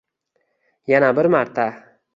Yana bir marta...